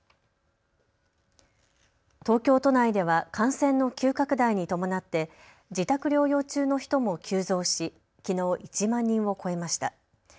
東京都内では感染の急拡大に伴って自宅療養中の人も急増しきのう１万人を超えました。